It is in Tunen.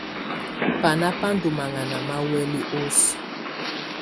Banà bà ndù mahana ma huɛ̀lɛ oso.